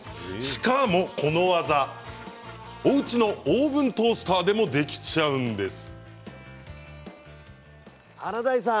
しかもこの技おうちのオーブントースターでもできちゃうんです。